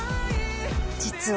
実は。